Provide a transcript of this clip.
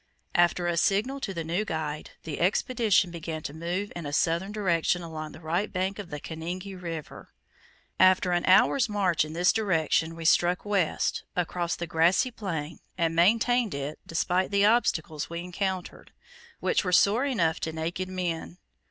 After a signal to the new guide, the Expedition began to move in a southern direction along the right bank of the Kanengi River. After an hour's march in this direction, we struck west, across the grassy plain, and maintained it, despite the obstacles we encountered, which were sore enough to naked men.